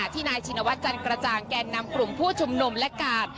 ที่นายชินวัฒนจันกระจ่างแก่นำกลุ่มผู้ชุมนุมและกาด